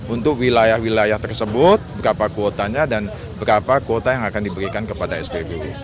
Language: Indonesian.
untuk wilayah wilayah tersebut berapa kuotanya dan berapa kuota yang akan diberikan kepada spbu